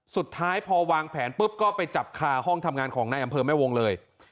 สุดท้ายพอวางแผนปุ๊บก็ไปจับคาห้องทำงานของนายอำเภอแม่วงเลย